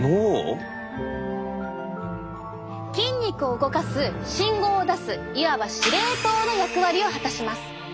筋肉を動かす信号を出すいわば司令塔の役割を果たします。